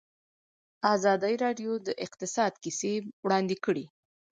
ازادي راډیو د اقتصاد کیسې وړاندې کړي.